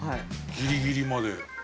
ギリギリまで。